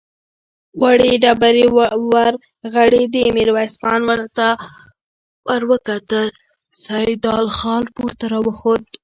وړې ډبرې ورغړېدې، ميرويس خان ور وکتل، سيدال خان پورته را خوت.